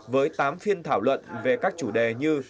với tám phiên thảo luận về các chủ đề như